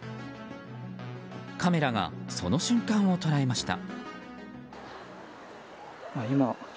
カメラがその瞬間を捉えました。